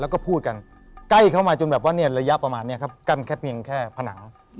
แล้วก็พูดกันใกล้เข้ามาจนแบบว่าเนี่ยระยะประมาณนี้ครับกั้นแค่เพียงแค่ผนัง